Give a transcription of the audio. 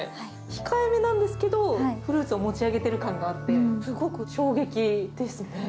控えめなんですけど、フルーツを持ち上げている感があって、すごく衝撃ですね。